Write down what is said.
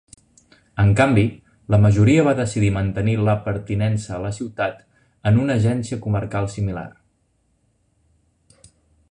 En canvi, la majoria va decidir mantenir la pertinença a la ciutat en una agència comarcal similar.